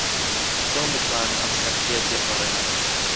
چۆن بتوانم ئەم سەختییە تێپەڕێنم؟